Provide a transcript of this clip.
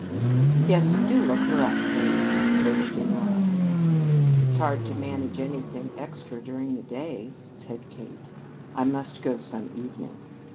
"Yes, do look her up, Kate," urged Honora. "It's hard to manage anything extra during the day," said Kate. "I must go some evening."